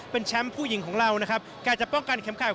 เป็นแชมป์ผู้หญิงของเรานะครับการจะป้องกันเข็มขัด